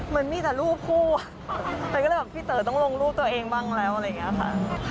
มันมีแต่รูปคู่แต่ก็เลยแบบพี่เต๋อต้องลงรูปตัวเองบ้างแล้วอะไรอย่างนี้ค่ะ